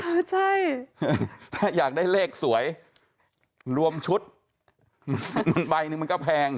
ถ้าอยากได้เลขสวยรวมชุดใบนึงมันก็แพง